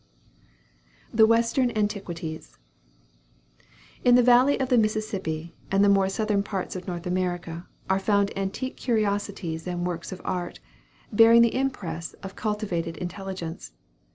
THE WESTERN ANTIQUITIES. In the valley of the Mississippi, and the more southern parts of North America, are found antique curiosities and works of art, bearing the impress of cultivated intelligence.